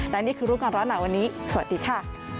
และนี่คือรูปการณ์หนาวันนี้สวัสดีค่ะ